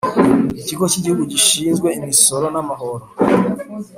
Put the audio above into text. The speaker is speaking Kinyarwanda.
ikigo kigihugu gishinzwe imisoro n,amahoro